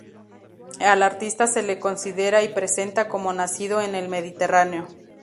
Al artista se considera y se presenta como nacido en el Mediterráneo.